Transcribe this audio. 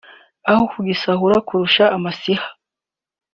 aho kugisahura kurusha amasiha)